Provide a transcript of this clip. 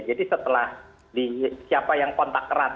jadi setelah siapa yang kontak kerat